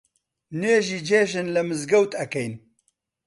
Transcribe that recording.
نوێژی جێژن لە مزگەوت ئەکەین